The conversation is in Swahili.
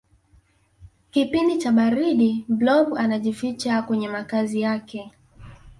kipindi cha baridi blob anajificha kwenye makazi yake